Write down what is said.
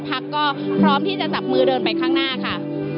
พักก็พร้อมที่จะจับมือเดินไปข้างหน้าค่ะ